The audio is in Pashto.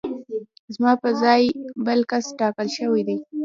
زما په ځای بل کس ټاکل شوی دی